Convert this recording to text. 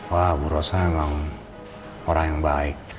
wah bu rosa memang orang yang baik